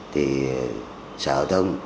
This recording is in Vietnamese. thì sở giao thông